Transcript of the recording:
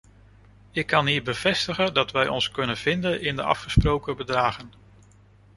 Ik kan hier bevestigen dat wij ons kunnen vinden in de afgesproken bedragen.